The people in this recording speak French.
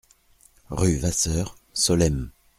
Rue Vasseur, Solesmes